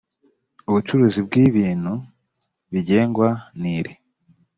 ubucuruzi bw ibintu bigengwa n iri